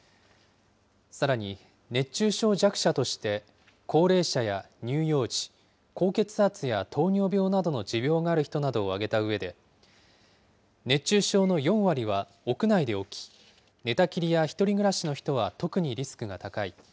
さらに、熱中症弱者として、高齢者や乳幼児、高血圧や糖尿病などの持病がある人を挙げたうえで、熱中症の４割は屋内で起き、寝たきりや１人暮らしの人は特にリスクが高い。